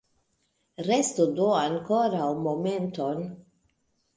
Restu do ankoraŭ momenton!